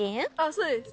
そうです。